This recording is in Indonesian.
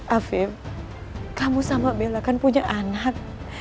afif kamu sama bella kan punya anak